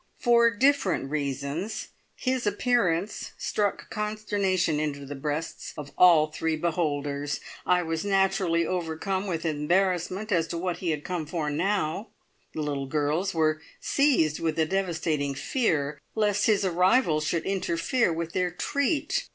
For different reasons his appearance struck consternation into the breasts of all three beholders. I was naturally overcome with embarrassment as to what he had come for now; the little girls were seized with a devastating fear lest his arrival should interfere with their treat.